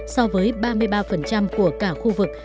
so với ba mươi ba của cả khu vực